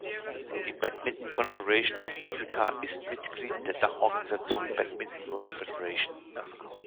Die Badminton Confederation of Africa ist Mitglied in der Dachorganisation Badminton World Federation.